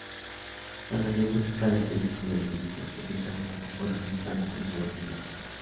El relieve característico del municipio presenta una topografía plana o suave ondulada.